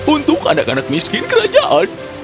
untuk anak anak miskin kerajaan